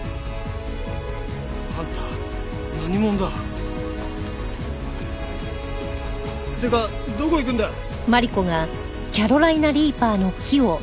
あんた何者だ？ってかどこ行くんだよ？